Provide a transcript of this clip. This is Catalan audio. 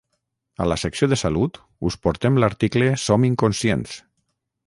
A la secció de salut us portem l'article som inconscients!